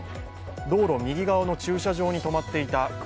道路右側の駐車場に止まっていた車